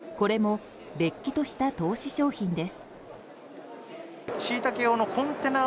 これもれっきとした投資商品です。